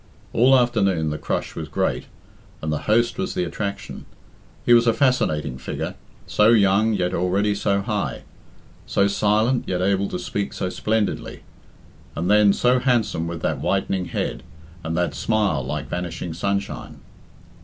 All afternoon the crush was great, and the host was the attraction. He was a fascinating figure so young, yet already so high; so silent, yet able to speak so splendidly; and then so handsome with that whitening head, and that smile like vanishing sunshine.